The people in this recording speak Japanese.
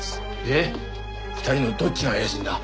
で２人のどっちが怪しいんだ？